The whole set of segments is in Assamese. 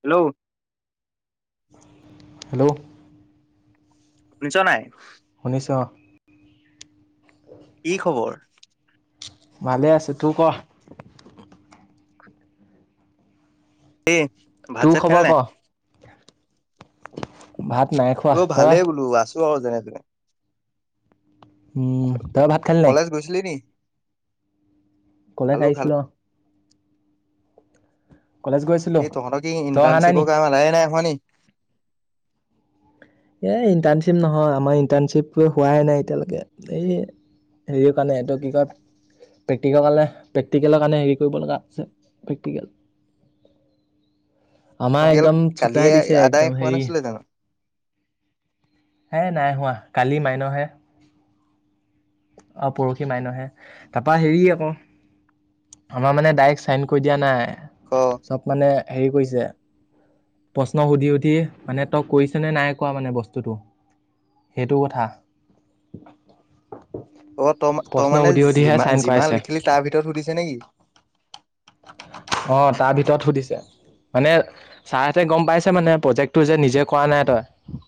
হেল্লো? হেল্লো? শুনিছ নাই? শুনিছ [inaudible] কি খবৰ? ভালে আছোঁ, তোৰ কহ? এ ভাত তোৰ চাত খালি খবৰ ক নাই? ভাত নাই খোৱা, তই? চো আও যেনে তেনে। উম, তই ভাত খালি নাই? কলেজ গৈছিলি নি কলেজ খালো খালো আহিছিলো অহ। কলেজ গৈছিলো এই তহঁতৰ কি তই অহা নাই নি ইণ্টাৰ্শ্বিপৰ কাম আদায় নাই হোৱানি? এই ইণ্টাৰ্ণশ্বিপ নহয়, আমাৰ ইণ্টাৰ্ণশ্বিপ হোৱাই নাই এতিয়ালৈকে, এই হেৰিৰ কাৰণে এইটো কি কয় প্ৰেক্টিকেল কাৰণে প্ৰেক্টিকেলৰ কাৰণে হেৰি কৰিবলা আছে প্ৰেক্টিকেল। আমাৰ তহঁতি একদম কালিয়ে চুটাই দিছে আদায় একদম হোৱা হেৰি নাছিলে জানো? হে নাই হোৱা কালি মাইনৰ হে। অহ পৰহি মইনৰ হে, তাৰাপা হেৰি আকৌ আমাৰ মানে ডাইৰেক্ট চাইন কৰি দিয়া অ নাই। চব মানে হেৰি কৰিছে। প্ৰশ্ন সুধি সুধি মানে তই কৈছনে নাই কোৱা মানে বস্তুটো, সেইটো কথা। অ ত, ত প্ৰশ্ন মানে সুধি সুধিহে যিমা চাইন যিমান কৰাইছে লিখিলি তাৰ ভিতৰত সুধিছে নেকি? অ তাৰ ভিতৰত সুধিছে, মানে ছাৰহেঁতে গম পাইছে মানে প্ৰজেক্টটো যে নিজে কৰা নাই তই।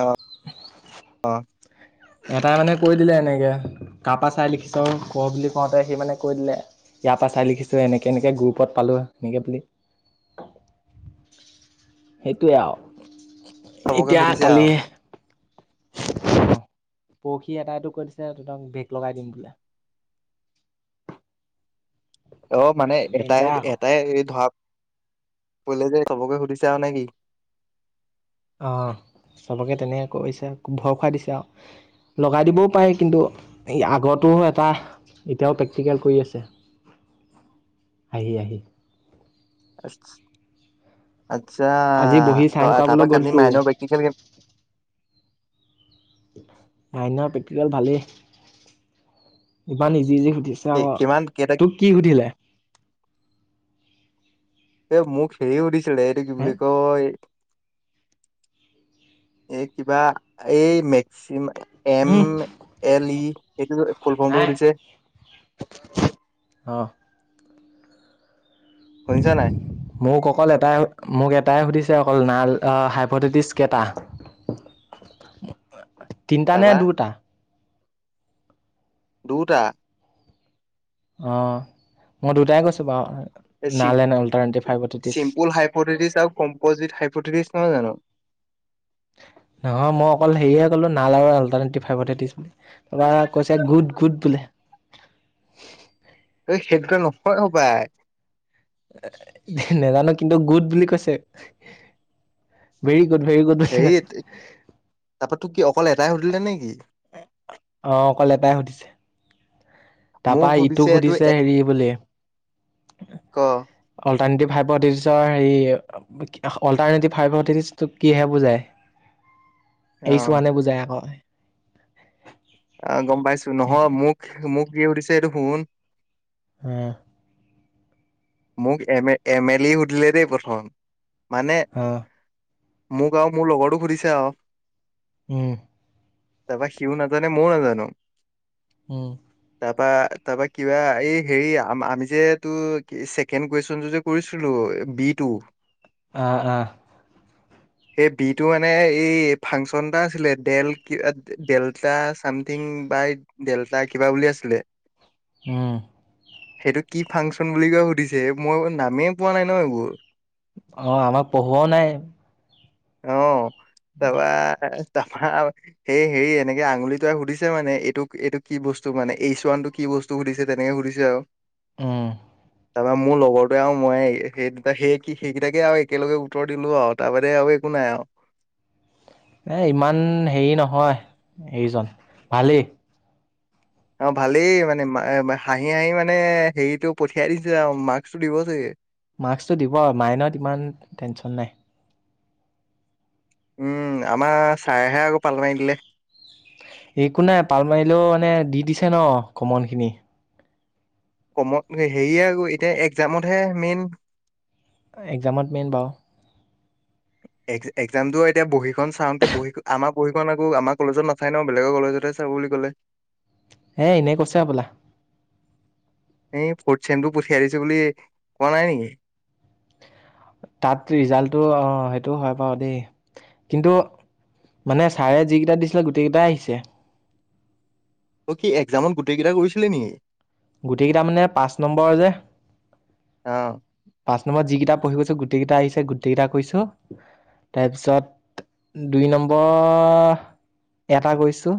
অ অ এটাই মানে কৈ দিলে এনেকে, কাপা চাই লিখিছ ক? বুলি কওঁতে সি মানে কৈ দিলে, ইয়াৰ পৰা চাই লিখিছো, এনেকে এনেকে গ্ৰুপত পালো, এনেকে বুলি সেইটোয়ে আউ। চবকে এতিয়া সুধিছে কালি। আৰু পৰখী এটাই টো কৈ দিছে, তহতক বেক লগাই দিম বোলে। অ মানে এটাই ডেঞ্জাৰ আকৌ এটাই ধৰাক। এই যে চবকে সুধিছা অ নেকি? অ চবকে তেনেকে কৰিছে ভৰ খুৱাই দিছে আৱ। লগাই দিবও পাৰে কিন্তু, আগতো এটা এতিয়াও প্ৰেক্টিকেল কৰি আছে, আহি আহি। [unintelligible] আচ্ছা আজি বহি ত চাইন কৰাবলৈ তাপা কালি গ'লতো মাইনৰ প্ৰক্টিকেল কেনে। মাইনৰ পে। আজিকাল ভালেই, ইমান ইজি ইজি সুধি। ছে অ। কিমান কেইটা তোক কি সুধিলে? অ মোক হেৰি সুধি। এতো কি হে বুলি কয়? কিবা এই maximum. M um L E. সেইটো ফুল ফমটো নাই সুধিছে? অ শুনিছা নাই মোক অকল এটাই, মোক এটাই সুধিছে অকল নাল। হাইপততিছ কেতা? তিনটা নে তাৰপা দুটা? দুটা। অ, মই দুটাই কৈছো বাউ। চিম্পুল হাইপথেটিছ আৰু কম্পজিট হাইপথেটিচ নহয় জানো। নহয় মই অকল হেয়েহে ক'লো নাল আৰু আল্টাৰনেটিভ হাইপথেচিছ। তাপা কৈছে, গুদ গুদ বোলে। সেই দুটা নহয় হ'বাই। নাজানো কিন্তু গুড বুলি কৈছে, ভেৰি। গুড ভেৰি গুড বুলি কৈছে হেৰি, তাপা তোক কি অকল এটাই সুধিলে নেকি? অ, অকল এটাই সুধিছে। মোক তাপা ইটোক এইটো সুধিছে এ- হেৰি বুলি, ক অ। ভন্টি ভাইভদিছৰ হেৰি, অল্টাৰনেটিভ ফাইভথেচিছ কিহে বুজাই? অ এৰি চোৱা নে বুজাই আকৌ। অ গম পাইছোঁ নহয় মোক মোক যি শুদিছে সেটো শুন অ মোক এ এম এল এ সুধিলে দেই প্ৰথম মানে- অ মোক আৰু মোৰ ল'গৰতোক সুধিছে আৰু উম তাবা সিও নাজানে মই নাজানোঁ উম তাৰপা তাৰপা কিবা এই হেৰি আমি যে এটো ছেকেণ্ড কুৱেশ্যনটো যে কৰিছিলোঁ বি টু অহ অহ সেই বিটো মানে এই ফাংচন এটা আছিলে ডেল কিবা ডেল্টা চামথিং বাই ডেল্টা কিবা বুলি আছিলে। উম সেইটো কি ফাংচন বুলি কয় সুধিছে মই নামেই পোৱা নাই ন এইবোৰ অ আমাক পঢ়োৱাও নাই। অ তপা তাৰপা সেই হেৰি এনেকে আঙুলিটোৱাই সুধিছে মানে এইটোক এইটো কি বস্তু মানে এইচ ৱানতটো কি বস্তু সুধিছে তেনেকে সুধিছে আৱ। উম তাৰপা মোৰ ল'গৰটোৱে আৰু মই সেই সেই সেইকেইটাকে আৰু একেলগে উত্তৰ দিলো আৰু তাৰ বাদে আৰু একো নাই আৰু- এ ইমান হেৰি নহয় এইজন ভালেই। অ ভালেই মানে হাঁহি হাঁহি মানে হেৰিটো পঠিয়াই দিছে আৰু মাৰ্কচটো দিব যে- মাস্সটো দিব আৰু মাইনত ইমান টেনচন নাই। উম আমাৰ ছাৰেহে আকৌ পাল মাৰ দিলে। একো নাই পাল মাৰিলেও মানে দি দিছে ন কমন খিনি কমন হেৰিয়ে আক এতিয়া একজামতহে মেইন একজামত হয়। বাৰু- একজামটো এতিয়া বহীখন চাওঁতে বহী আমাৰ বহীখন আকৌ আমাৰ কলেজত নাচায় ন বেলেগৰ কলেজতেহে চাব বুলি কলে। এ এনেই কৈছে সবলা এই ফৰ্থ চেমটো পঠিয়াই দিছো বুলি কোৱা নাই নেকি তাত ৰিজাল্টটো অ সেইটো হয় বাৱ দেই কিন্তু মানে ছাৰে যিকেইটা দিছিলে গোটেই কেইটাই আহিছে। তই কি এক্জামত গোটেই কেইটা কৰিছিলি নেকি? গোটেই কেইটা মানে পাঁচ নম্বৰ যে অ গোটেইকেইটা কৰিছো তাৰপিছত দুই নম্বৰ এটা কৰিছোঁ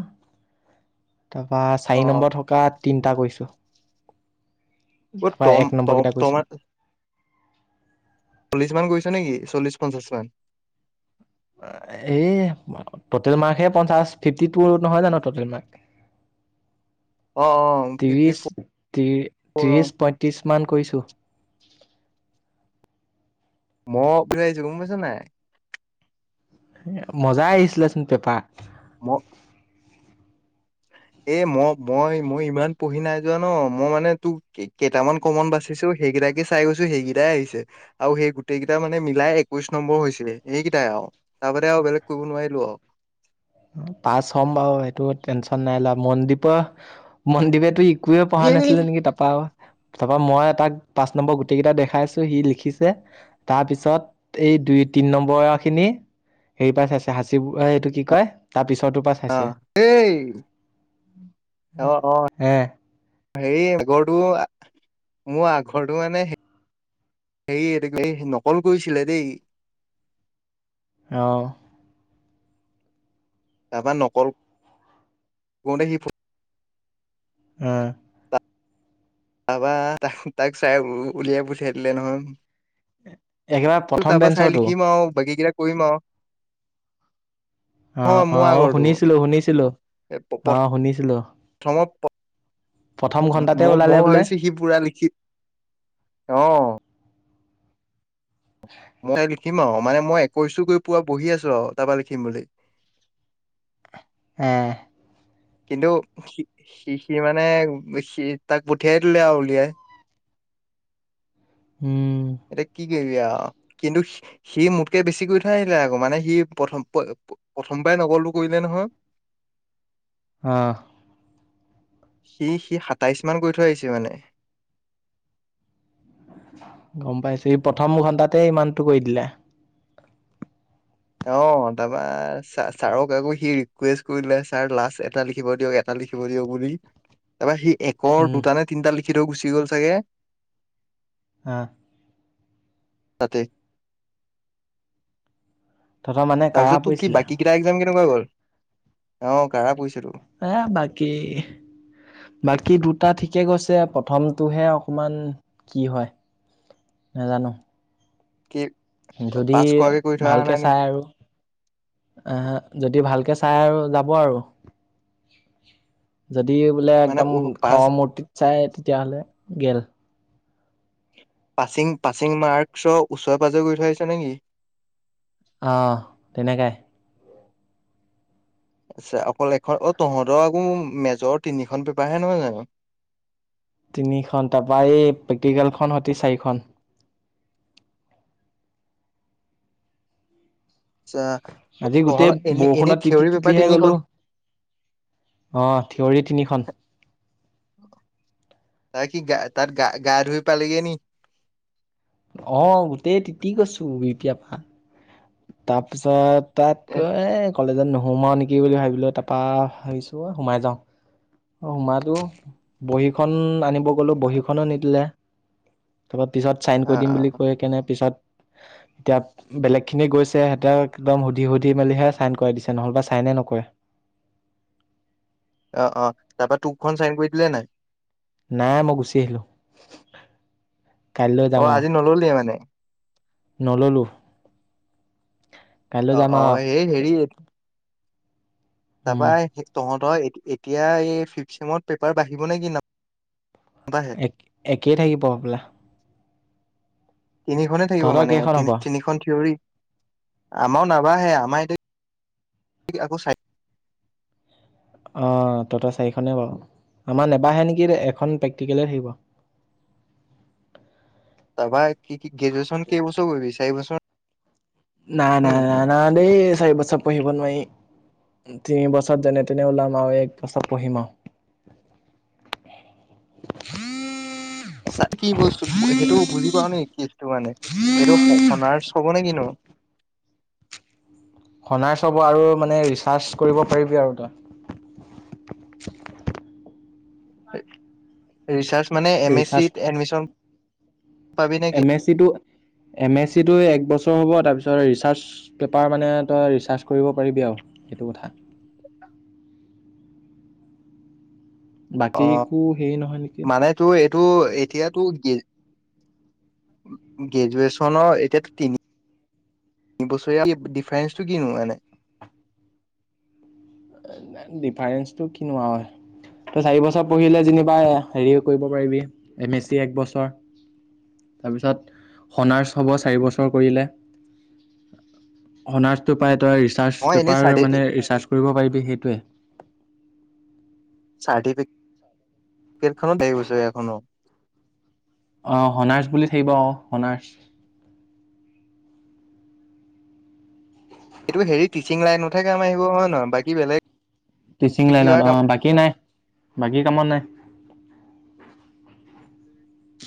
তাৰপৰা চাৰি অ নম্বৰত থকা তিনটা কৰিছোঁ নম্বৰ কেইটা কৰিছো [unintelligible] চল্লিশ মান গৈছে নেকি চল্লিশ পঞ্চাশ মান এই টটেল মাৰ্ক হে পঞ্চাছ ফিফটি টু নহয় জানো টটেল অ অ মাৰ্ক ফিফটি ত্ৰিশ ফৰ অ ত্ৰিশ পঁয়ত্ৰিশ মান কৰিছোঁ মো কৰি থৈ আহিছো গম পাইছা নাই। মজাই আহিছিলেচোন পেপা। মো এ মই মই মই ইমান পঢ়ি নাই যোৱা ন মই মানে তোক কেইটামান কমন বাচিছো সেইকেইটাকে চাই গৈছো সেইকেইটাই আহিছে আৰু সেই গোটেই কেইটটা মানে মিলাই একৈশ নম্বৰ হৈছে সেইকেইটাই আৰু তাৰপাতে আৰু বেলেগ কৰিব নোৱাৰিলো আৰু। পাছ হ'ম বাৰু সেইটো টেনচন নাই ল মনদ্বীপৰ মনদ্বীপটো ই। একোৱেই পঢ়া এই নাছিলে নেকি তাৰ পাওঁ তাৰপৰা মই তাক পাঁচ নম্বৰ গোটেইকেইটা দেখাইছোঁ সি লিখিছে, তাৰপিছত এই দুই তিনি নম্বৰখিনি হেৰি পাই চাইছে সাঁচিব এইটো কি কয়। তাৰ পিছত অহ এই, অহ অহ হে হৰি ঘৰটো। মোৰ আখৰটো মানে হে, নকল কৰিছিলে দেই। অ। তাবা নকল কওঁতে সি। ফ উম। পাবা তাক তাক চাই উলিয়াই পঠিয়াই দিলে নহয়। একেবাৰে তাৰ প্ৰথম পৰা চাই বেঞ্চৰটো। লিখিম আৰু বাকী কেইটা কৰিম। আ অহ অ অ, শুনিছিলো শুনিছিলো অহ শুনিছিলো। প্ৰথমৰ প্ৰথম ঘন্টাতে মই ওলালে মই বোলে ভাবিছো সি পোৰা লিখি, অ। মই লিখিম আৰু মানে মই একৈশ গৈ পুৱ বহি আছো আৰু তাৰপৰা লিখিম বুলি। হে। কিন্তু সি সি মানে, সি তাক পঠিয়াই দিলে আৰু উলিয়াই। উম। এতিয়া কি কবি আ কিন্তু সি মোতকে বেছি কৰি থৈ আহিলে আকৌ মানে সি প্ৰথম, প্ৰথমবাৰে নকলটো কৰিলে নহয়। আহ। সি সি সাতাইশ মান কৰি থৈ আহিছে মানে। গম পাইছো প্ৰথম ঘণ্টাতে ইমানতটো কৰি দিলে। অ তাৰপা ছাৰক আকৌ সি ৰিকুৱেষ্ট কৰিলে ছাৰ লাষ্ট এটা লিখিব দিয়ক, এটা লিখিব দিয়ক বুলি তাৰপা সি। একৰ উম দুটা নে তিনিটা লিখি। লিখি থৈ গুচি গ'ল চাগে। হ। ততে। তহঁতৰ মানে কঢ়া পৰিছিলে। কেনেকুৱাই গ'ল, অ কাঢ়া পৰিছেতো। এ বাকী, বাকী দুটা ঠিকে গৈছে প্ৰথমটোহে অকমান, কি হয় নাজানো কি যদি পাছ কৰাকে কৰি থৈ অহা ভালকে নাই নি? চাই আৰু, আহ যদি ভাল। চাই আৰু যাব আৰু। যদি বোলে মানে একদম পাছ খৰৰ মূৰ্তিত চায় তেতিয়াহ'লে। গেল। পাছিং পাছিং মাৰ্কছৰ ওচৰে পাঁজৰে গৈ থৈছে নেকি? আহ তেনেকাই। আচ্ছা অকল এখন অঁ তহঁতৰ আকৌ মেজৰ তিনিখন পেপাৰ হে নহয় জানোঁ তিনিখন তাৰপা এই প্ৰেক্টিকেলখন সতি চাৰিখন। আচ্ছা আজি গোটেই তহঁতৰ এনে এনেই বৰষুণত তিতি থিয়ৰী পেপাৰ তিতিহে গলো তিনিখন, অ থিয়ৰী তিনিখন। তাই কি গা তাত গা গা ধুই পালিগে নেকি? অহঁ গোটেই তিতি গৈছোঁ বিতিয়া প তাৰপিছত এ, তাতকৈ কলেজত নখ সোমাও নেকি বুলি ভাবিলো তাৰপা ভাবিছোঁ সোমাই যাওঁ। অ সোমালো বহীখন আনি ব গ'লো বহীখনো নিদিলে তাৰপৰা পিছত ছাইন কৰি অ', দিম অ'। বুলি কৈ কেনে পিছত এতিয়া বেলেগ খিনি গৈছে সিহঁতেক একদম সুধি সুধি মেলিহে চাইন কৰাই দিছে নহলেবা চাইনে নকৰাই অহঁ অহঁ তাৰ পৰা তোৰখন চাইন কৰি দিলে নাই নাই মই গুচি আহিলোঁ। অঁ আজি নললি মানে নললোঁ। অহঁ অহঁ হেই হেৰি তাৰপা উম হে তহঁত তই এতিয়া এই ফিফ চেমত পেপাৰ বাঢ়িব নে কি নহ এক একেই থাকিব সপলা তিনি খনে থাকিব মানে কেইখন তি হ'ব তিনিখন থিয়ৰী। আমাৰ নাবাহে আমাৰ এতিয়া। ঠিক আকৌ চাই অঁ তহঁতৰ চাৰিখনেই বাৰু আমাৰ নেবাহে নেকি এখন প্ৰেক্টিকেলে থাকিব। তাৰপা কি? কি গ্ৰেজুৱেচন কেইবছৰ কৰি গিছে আহিবাচোন নাই নাই ন না দেই চাৰি বছৰ পঢ়িব নোৱাৰি তিনি বছৰ যেনে তেনে ওলাম আৰু এক বছৰ পঢ়িম আৰু চাৰি বছৰ পঢ়ি সেইটো বুজি পাওঁ নেকি? সেইটো মানে সেইটো সনাৰটছ হ'ব নে কিনো। সনাৰটছ হব আৰু মানে ৰিচাৰ্চ কৰিব পাৰিবি আৰু তই- ৰিচাৰ্জ- মানে M S research C admission M S C টো এম এছ চিটো এক বছৰ হ'ব তাৰপিছত ৰিচাৰ্জ টো পেপাৰ মানে তই ৰিচাৰ্জ কৰিব পাৰিবি আৰু সেইটো কথা। বাকী একো হেৰি নহয় নেকি? তো, এতিয়াতো গ্ৰেজুৱেচনৰ এতিয়াতো তিনি বছৰীয়া ডিফাৰেন্স টো কিনো এনে? ডিফাৰেন্চটো কিনো আৰু, তই চাৰিবছৰ পঢ়িলে যেনিবা হেৰি কৰিব পাৰিবি, এম এচ চি এক বছৰ, তাৰপিছত হনাৰ্চ হ'ব চাৰিবছৰ কৰিলে, হনাৰ্চতো পাই তই ৰিচাৰ্চ মই এনেই পেপাৰ চাৰ্টি মানে, ৰিচাৰ্চ কৰিব পাৰিবি। [unintelligible] চাৰ্টিফি কেত খনো চাৰি বছৰীয়া এইখনো। অ'! হনাৰ্চ বুলি থাকিব অ'! হনাৰ্চ। এইটো হেৰি টিচিং লাইনত হে কাম আহিব হয় নহয়? বাকি বেলেগ টিচিং কিবা লাইনত কাম অ'! বাকী নাই। বাকী কামত নাই।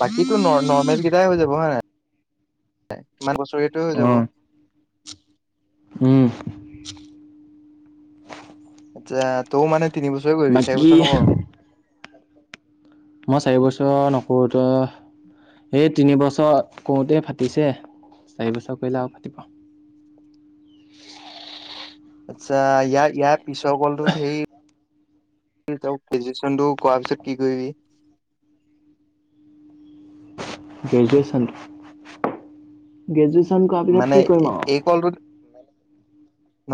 বাকীটো নৰ্মেল কেইটাই হৈ যাব হয় নাই? [unintelligible] হৈ যাব অ'! উম! [unintelligible] আচ্ছা! তইয়ো মানে তিনি বছৰে কৰিবি চাৰি বাকী বছৰ নকৰ'? মই চাৰিবছৰ নকৰোঁ তহ্। এই তিনিবছৰ কৰোঁতে ফাটিছে, চাৰিবছৰ কৰিলে আৰু ফাটিব। আচ্ছা! ইয়া ইয়াত পিছৰ ক'লটোত সেই তই ফিজিচিয়ানটো কৰাৰ পিছত কি কৰিবি? গ্ৰেজুৱেচন, গ্ৰেজুৱে গ্ৰেচুৱেচন কৰাৰ পিছত মানে কি কৰিম আৰু। এই কলটোত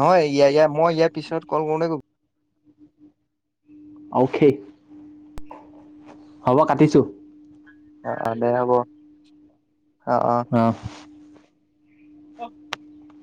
নহয়। ইয়া, ইয়া মই ইয়াৰ পিছত ক'ল কৰোঁতে অ'কে হ'ব কাটিছো। অ'! অ'! দে হ'ব। অ'! [unintelligible]